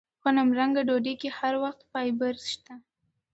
غنمرنګه ډوډۍ کې هر وخت فایبر شته.